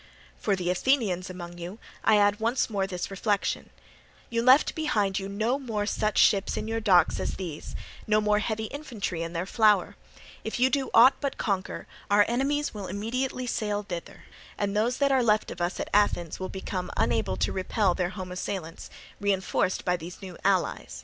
"For the Athenians among you I add once more this reflection: You left behind you no more such ships in your docks as these, no more heavy infantry in their flower; if you do aught but conquer, our enemies here will immediately sail thither, and those that are left of us at Athens will become unable to repel their home assailants, reinforced by these new allies.